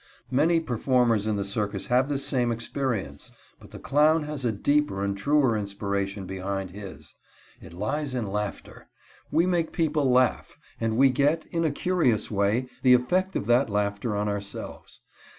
Many performers in the circus have this same experience, but the clown has a deeper and truer inspiration behind his. It lies in laughter. We make people laugh and we get, in a curious way, the effect of that laughter on ourselves.